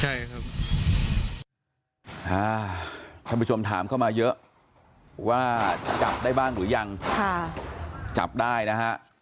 ใช่ครับท่านผู้ชมถามเข้ามาเยอะว่าจับได้บ้างหรือยังจับได้นะฮะ